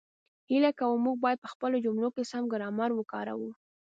هیله کووم، موږ باید په خپلو جملو کې سم ګرامر وکاروو